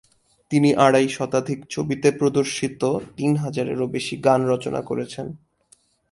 তিনি আড়াই শতাধিক ছবিতে প্রদর্শিত তিন হাজারেরও বেশি গান রচনা করেছেন।